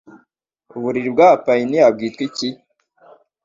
Uburiri bw'Abayapani bwitwa iki